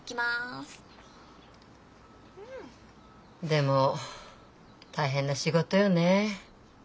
でも大変な仕事よねえ。